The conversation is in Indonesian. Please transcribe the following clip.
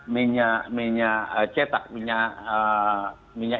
minyak cetak minyak